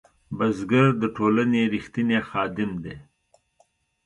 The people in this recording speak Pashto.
بزګر د ټولنې رښتینی خادم دی